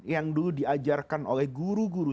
yang dulu diajarkan oleh guru guru